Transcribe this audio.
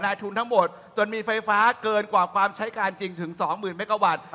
ทุนทั้งหมดจนมีไฟฟ้าเกินกว่าความใช้การจริงถึงสองหมื่นเมกะวัตต์